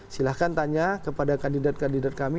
silahkan tanya kepada kandidat kandidat kami